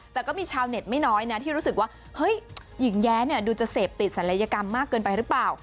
แต่ก็มีชาวเน็ตไม่น้อยนะที่รู้สึกว่าเฮ้ยหญิงแย้ดูจะเสพติดศัลยกรรมมากเกินไปหรือเปล่า